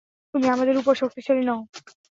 তুমি আমাদের উপর শক্তিশালী নও।